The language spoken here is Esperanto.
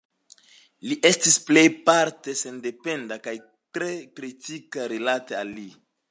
Li estis plejparte sendependa kaj tre kritika rilate al li.